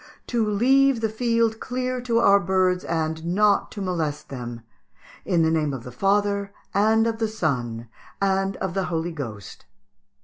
to leave the field clear to our birds, and not to molest them: in the name of the Father, and of the Son, and of the Holy Ghost."